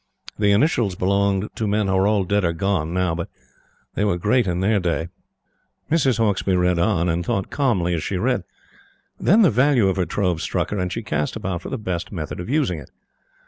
The initials belonged to men who are all dead or gone now; but they were great in their day. Mrs. Hauksbee read on and thought calmly as she read. Then the value of her trove struck her, and she cast about for the best method of using it.